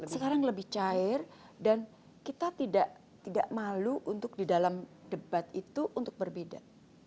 sekarang lebih cair dan kita tidak malu untuk di dalam debat itu untuk berbeda